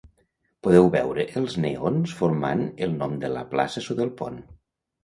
Podeu veure els neons formant el nom de la plaça sota el pont.